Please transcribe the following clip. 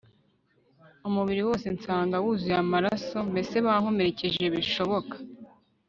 umubiri wose nsanga wuzuye amaraso mbese bankomerekeje bishoboka